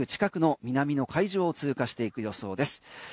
すぐ近くの南の海上を通過していく予想です。